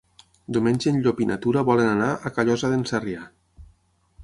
Diumenge en Llop i na Tura volen anar a Callosa d'en Sarrià.